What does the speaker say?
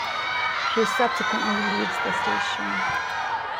She subsequently leaves the station.